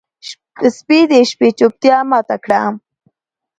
سپي د شپې چوپتیا ماته کړه.